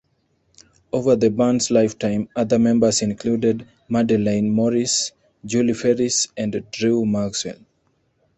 Over the band's lifetime, other members included Madelaine Morris, Julie Ferris and Drew Maxwell.